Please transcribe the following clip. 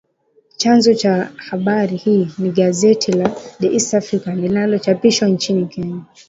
Chanzo cha habari hii ni gazeti la “The East African” linalochapishwa nchini Kenya